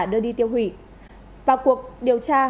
đưa đi tiêu hủy vào cuộc điều tra